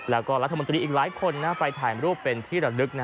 แล้วก็รัฐมนตรีอีกหลายคนไปถ่ายรูปเป็นที่ระลึก